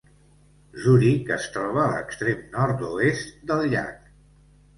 Zuric es troba a l'extrem nord-oest del llac.